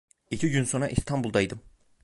İki gün sonra İstanbul'daydım.